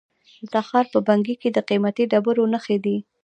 د تخار په بنګي کې د قیمتي ډبرو نښې دي.